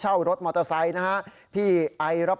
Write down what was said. เวลาลดลุงก่าวคนของพี่ขึ้นมา